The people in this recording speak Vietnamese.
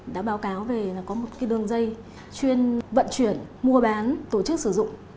đã báo cáo về là có một đường dây chuyên vận chuyển mua bán tổ chức sử dụng